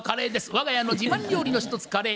我が家の自慢料理の一つカレー。